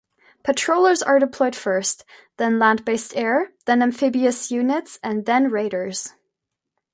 Patrollers are deployed first, then land-based air, then amphibious units, and then raiders.